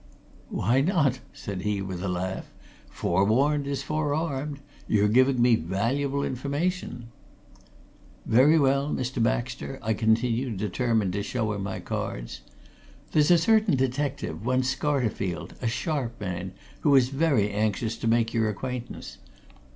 "Why not?" said he with a laugh. "Forewarned is forearmed. You're giving me valuable information." "Very well, Mr. Baxter," I continued, determined to show him my cards. "There's a certain detective, one Scarterfield, a sharp man, who is very anxious to make your acquaintance.